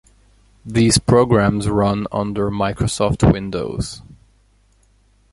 These programs run under Microsoft Windows.